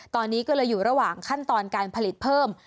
ตอนนี้ก็เลยอยู่ระหว่างขั้นตอนการผลิตเพิ่ม